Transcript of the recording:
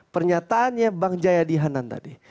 pernyataannya bang jayadi hanan tadi